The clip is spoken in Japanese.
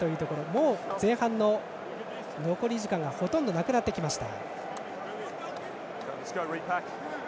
もう前半の残り時間がほとんどなくなってきました。